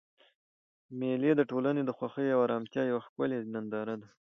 مېلې د ټولنې د خوښۍ او ارامتیا یوه ښکلیه ننداره ده.